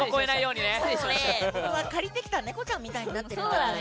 僕は借りてきた猫ちゃんみたいになってるから。